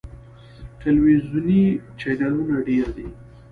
ټلویزیوني چینلونه ډیر دي.